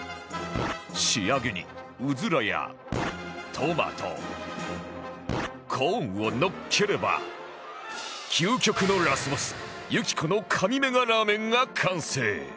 仕上げにうずらやトマトコーンをのっければ究極のラスボス雪子の神メガラーメンが完成